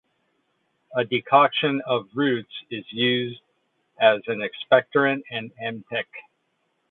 A decoction of the roots is used as an expectorant or emetic.